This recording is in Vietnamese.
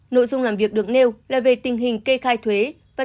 nội dung làm việc được nêu là về tình hình kê khai thuế và tình hình hoạt động